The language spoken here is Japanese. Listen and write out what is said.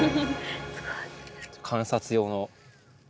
観察用の。